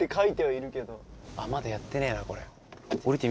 まだやってねえなこれ。